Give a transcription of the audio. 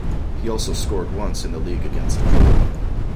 He also scored once in the league against Crewe.